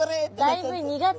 だいぶ苦手な。